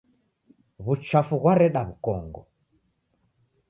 Wuchafu ghwareda wukongo.